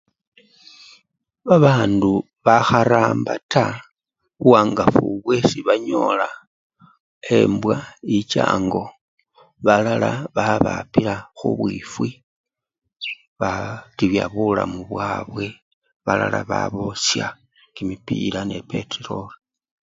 Babandu bakharamba taa buwangafu bwesi banyola, embwa yicha ango balala babapila khubwifwi batibya bulamu bwabwe, balala babosya kimipira ne petroli.